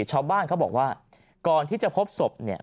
ชาวบ้านเขาบอกว่าก่อนที่จะพบศพเนี่ย